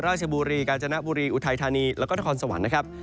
ราชบุรีกาญจนบุรีอุทัยธานีแล้วก็นครสวรรค์นะครับ